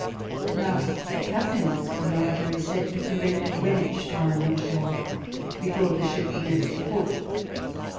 Now the captain's chronometer is set to correct "Greenwich time" on shore before the ship leaves port.